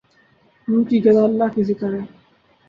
روح کی غذا اللہ کا ذکر ہے